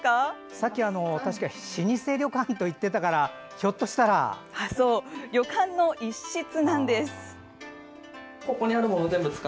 さっき確か老舗旅館と言ってたから旅館の一室なんです。